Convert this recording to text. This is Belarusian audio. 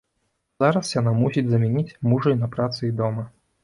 Зараз яна мусіць замяніць мужа і на працы, і дома.